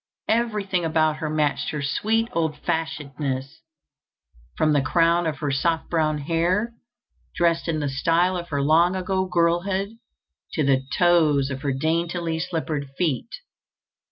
Everything about her matched her sweet old fashionedness, from the crown of her soft brown hair, dressed in the style of her long ago girlhood, to the toes of her daintily slippered feet.